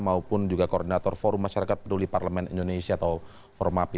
maupun juga koordinator forum masyarakat peduli parlemen indonesia atau formapi